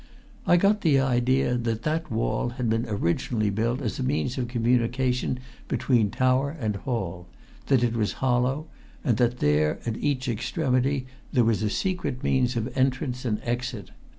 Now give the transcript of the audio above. I got the idea that that wall had originally been built as a means of communication between tower and hall; that it was hollow, and that there at each extremity there was a secret means of entrance and exit.